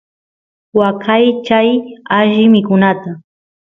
waqaychay alli mikunata